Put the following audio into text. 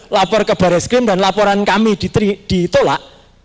lapor ke baris krim dan laporan kami ditolak